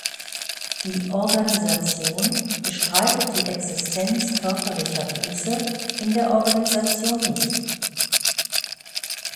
Die Organisation bestreitet die Existenz körperlicher Buße in der Organisation nicht.